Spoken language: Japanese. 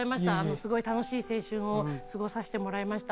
すごい楽しい青春を過ごさせてもらいました。